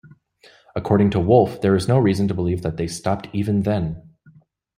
According to Wolf, there is no reason to believe that they stopped even then.